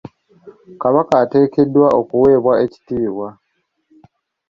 Kabaka ateekeddwa okuweebwa ekitiibwa.